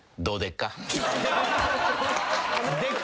どうでっか？